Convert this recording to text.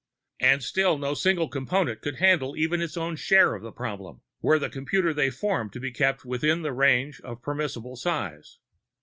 And still no single Component could handle even its own share of the problem, were the "computer" they formed to be kept within the range of permissible size.